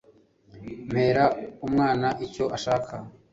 mpera umwana icyo ashaka